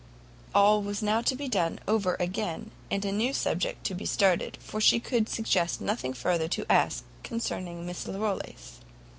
All was now to be done over again, and a new subject to be started, for she could suggest nothing further to ask concerning Miss Larolles.